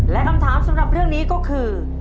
และคำถามสำหรับเรื่องนี้ก็คือ